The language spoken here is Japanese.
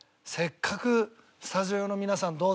せっかくスタジオの皆さん